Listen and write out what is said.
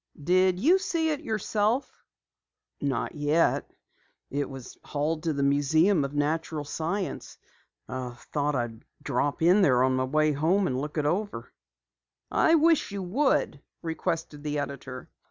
"Did you see it yourself?" "Not yet. It was hauled to the Museum of Natural Science. Thought I'd drop around there on my way home and look it over." "I wish you would," requested the editor.